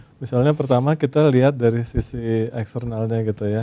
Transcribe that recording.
jadi misalnya pertama kita lihat dari sisi eksternalnya gitu ya